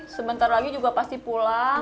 sebentar lagi juga pasti pulang